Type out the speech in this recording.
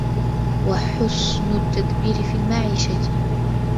وَحُسْنُ التَّدْبِيرِ فِي الْمَعِيشَةِ